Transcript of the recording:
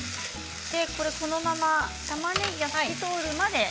このまま、たまねぎが透き通るまで。